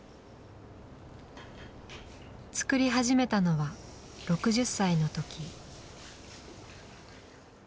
作り始めたのは６０歳の時。